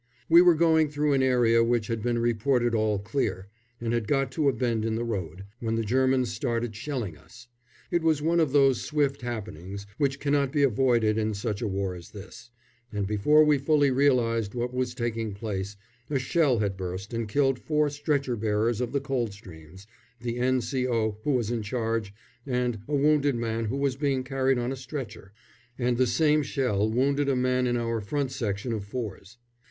We were going through an area which had been reported all clear, and had got to a bend in the road, when the Germans started shelling us. It was one of those swift happenings which cannot be avoided in such a war as this, and before we fully realised what was taking place, a shell had burst and killed four stretcher bearers of the Coldstreams, the N.C.O. who was in charge, and a wounded man who was being carried on a stretcher; and the same shell wounded a man in our front section of fours.